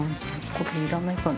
これいらないかな？